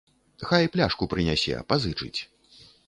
Хай пляшку прынясе, пазычыць.